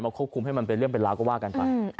ควบคุมให้มันเป็นเรื่องเป็นราวก็ว่ากันไป